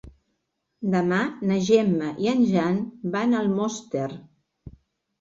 Demà na Gemma i en Jan van a Almoster.